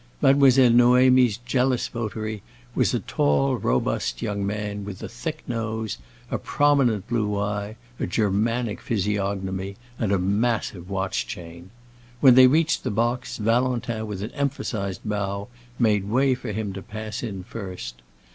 Mademoiselle Noémie's jealous votary was a tall, robust young man with a thick nose, a prominent blue eye, a Germanic physiognomy, and a massive watch chain. When they reached the box, Valentin with an emphasized bow made way for him to pass in first.